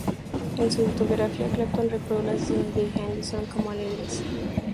En su autobiografía, Clapton recordó las sesiones de "Behind the Sun" como alegres.